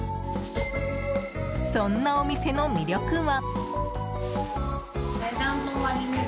そんなお店の魅力は。